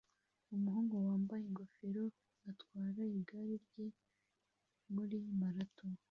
Umuhungu wambaye ingofero atwara igare rye muri marato